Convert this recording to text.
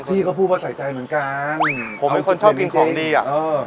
พี่ก็พูดว่าใส่ใจเหมือนกันผมเป็นคนชอบกินของดีอ่ะเออ